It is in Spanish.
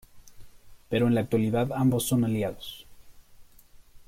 Pero en la actualidad ambos son aliados.